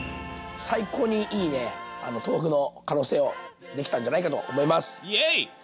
最高にいい豆腐の可能性をできたんじゃないかと思います。